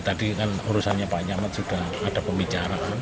tadi kan urusannya pak nyamat sudah ada pemikiran